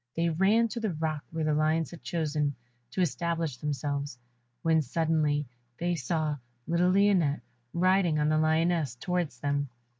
They ran to the rock where the lions had chosen to establish themselves, when suddenly they saw little Lionette riding on the lioness towards them.